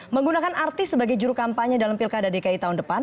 menggunakan artis sebagai juru kampanye dalam pilkada dki tahun depan